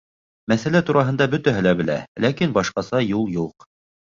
Мәсьәлә тураһында бөтәһе лә белә, ләкин башҡаса юл юҡ.